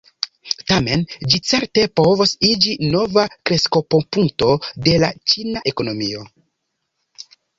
Tamen, ĝi certe povos iĝi nova kreskopunkto de la ĉina ekonomio.